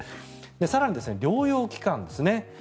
更に、療養期間ですね。